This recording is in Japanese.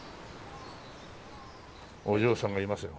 お嬢さんがいますよ。